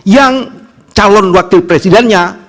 yang calon wakil presidennya